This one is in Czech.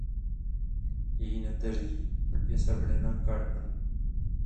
Její neteří je Sabrina Carpenter.